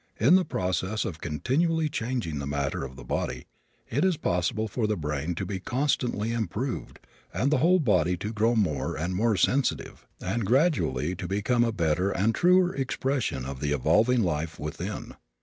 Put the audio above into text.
In the process of continually changing the matter of the body it is possible for the brain to be constantly improved and the whole body to grow more and more sensitive and gradually to become a better and truer expression of the evolving life within.